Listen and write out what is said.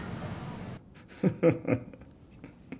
フフフ。